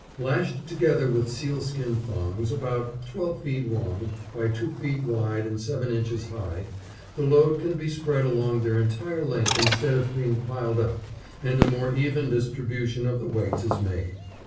Lashed together with sealskin thongs, about twelve feet long, by two feet wide and seven inches high, the load can be spread along their entire length instead of being piled up, and a more even distribution of the weights is made.